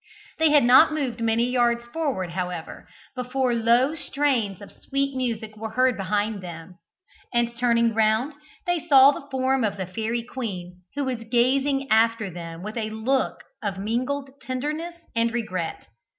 They had not moved many yards forward, however, before low strains of sweet music were heard behind them, and turning round, they saw the form of the fairy queen, who was gazing after them with a look of mingled tenderness and regret.